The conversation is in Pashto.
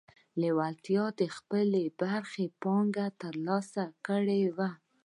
لېوالتیا د خپلې برخې پانګه ترلاسه کړې وه